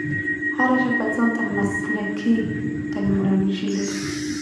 هره ژبه ځان ته مسلکښي ټرمینالوژي لري.